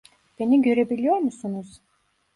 Beni görebiliyor musunuz?